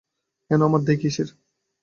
কেন, আমাদের দায় কিসের।